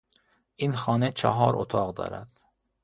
این خانه چهار اتاق دارد.